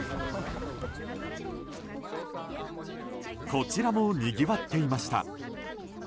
こちらもにぎわっていました。